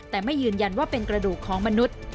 แต่ไม่ยืนยันว่าเป็นกระดูกของมนุษย์